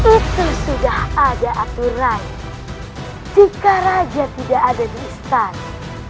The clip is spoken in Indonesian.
itu sudah ada aturan jika raja tidak ada di istana